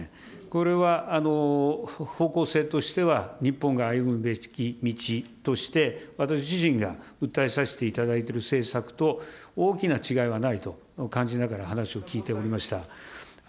これは方向性としては、日本が歩むべき道として、私自身が訴えさせていただいている政策と大きな違いはないと感じながら話を聞いておりました。